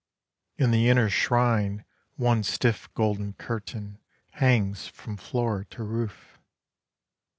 In the inner shrine One stiff golden curtain Hangs from floor to roof.